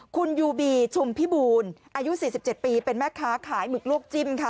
คุณยูบีชุมพิบูลอายุ๔๗ปีเป็นแม่ค้าขายหมึกลวกจิ้มค่ะ